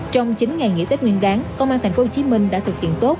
trong chín ngày nghỉ tết nguyên đáng công an thành phố hồ chí minh đã thực hiện tốt